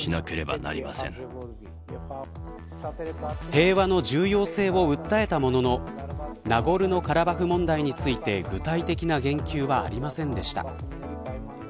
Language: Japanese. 平和の重要性を訴えたもののナゴルノカラバフ問題について具体的な言及はありませんでした。